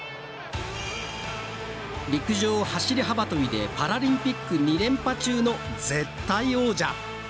陸上走り幅跳びでパラリンピック２連覇中の絶対王者。